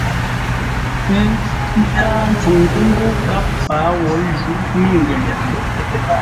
Ə́ ntáa ntsúŋtə́ ńgó gháp páa wǒ jǔ mə́ngwə́nə.